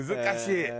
難しい。